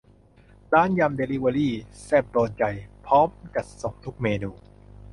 ร้านยำเดลิเวอรี่ แซ่บโดนใจ พร้อมจัดส่งทุกเมนู